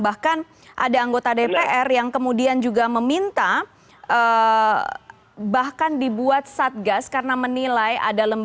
bahkan ada anggota dpr yang kemudian juga meminta bahkan dibuat satgas karena menilai ada lembaga